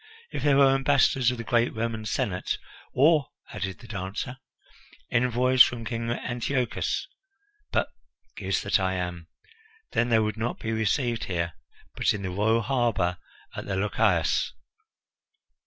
If there were ambassadors of the great Roman Senate " "Or," added the dancer, "envoys from King Antiochus. But goose that I am! then they would not be received here, but in the royal harbour at the Lochias.